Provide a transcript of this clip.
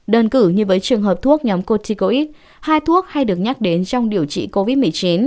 đơn cử như với trường hợp thuốc nhóm coticoid hai thuốc hay được nhắc đến trong điều trị covid một mươi chín